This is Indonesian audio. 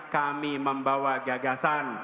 kami membawa gagasan